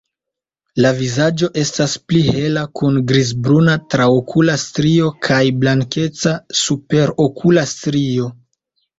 La vizaĝo estas pli hela kun grizbruna traokula strio kaj blankeca superokula strio.